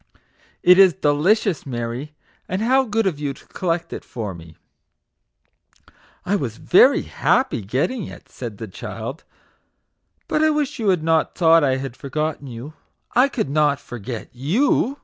" It is delicious, Mary; and how good of you to collect it for me \"" I was very happy getting it/' said the child; "but I wish you had not thought I had forgotten you. I could not forget YOU